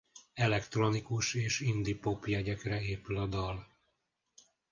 Elektronikus és indie pop jegyekre épül a dal.